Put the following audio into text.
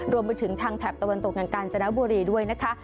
รวมไปถึงทางแถบตะวันตกอย่างกาญจนบุรีด้วยนะคะ